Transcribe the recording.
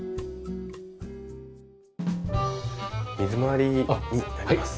水回りになります。